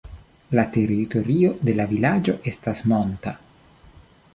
La teritorio de la vilaĝo estas monta.